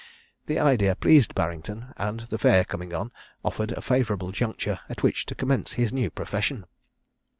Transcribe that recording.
The idea pleased Barrington, and the fair coming on, offered a favourable juncture at which to commence his new profession.